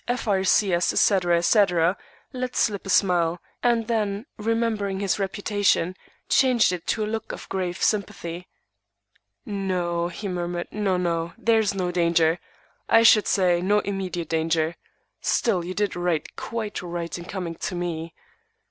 R.C.S., etc. etc., let slip a smile; and then, remembering his reputation, changed it to a look of grave sympathy. "No," he murmured, "no, no. There is no danger. I should say, no immediate danger. Still you did right, quite right, in coming to me.